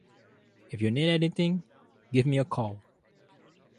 If you need anything, give me a call.